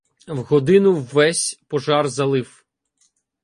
В годину ввесь пожар залив.